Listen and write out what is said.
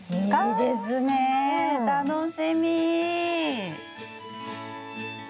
いいですね楽しみ。